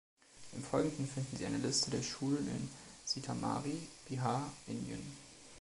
Im Folgenden finden Sie eine Liste der Schulen in Sitamarhi, Bihar, Indien.